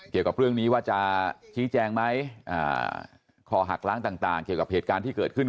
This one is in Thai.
เกี่ยวกับเรื่องนี้ว่าจะชี้แจงไหมคอหักล้างต่างเกี่ยวกับเหตุการณ์ที่เกิดขึ้น